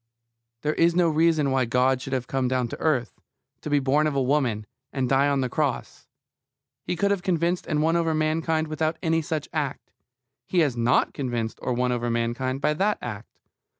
There is no reason why God should have come down to earth, to be born of a woman, and die on the cross. He could have convinced and won over mankind without any such act. He has not convinced or won over mankind by that act.